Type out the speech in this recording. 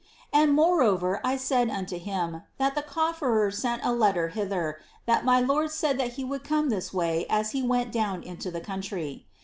And, moreover, I said unto him, that the cof ferer sent a letter hither, that my lord said that he would come this way as lie Hrnt down into tlie country.